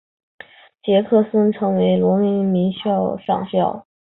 杰克森成为田纳西民兵上校。